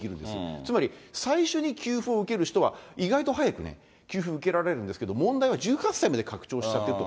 つまり、最初に給付を受ける人は意外と早くね、給付受けられるんですけど、問題は１８歳まで拡張しちゃってると、